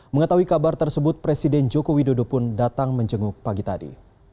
mengetahui kabar tersebut presiden joko widodo pun datang menjenguk pagi tadi